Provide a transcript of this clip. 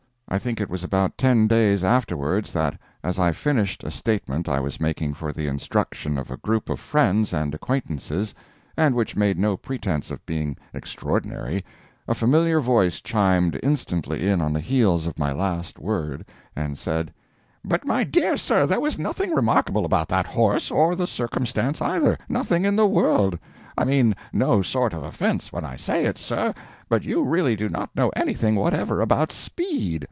I think it was about ten days afterward that, as I finished a statement I was making for the instruction of a group of friends and acquaintances, and which made no pretence of being extraordinary, a familiar voice chimed instantly in on the heels of my last word, and said: "But, my dear sir, there was nothing remarkable about that horse, or the circumstance either—nothing in the world! I mean no sort of offence when I say it, sir, but you really do not know anything whatever about speed.